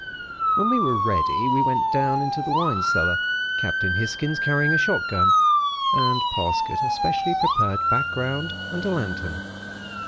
"When we were ready, we went down into the wine cellar, Captain Hisgins carrying a shot gun, and Parsket a specially prepared background and a lantern.